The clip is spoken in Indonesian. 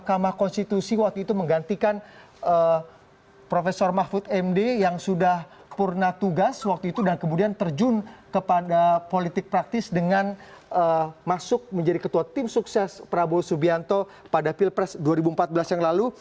mahkamah konstitusi waktu itu menggantikan prof mahfud md yang sudah purna tugas waktu itu dan kemudian terjun kepada politik praktis dengan masuk menjadi ketua tim sukses prabowo subianto pada pilpres dua ribu empat belas yang lalu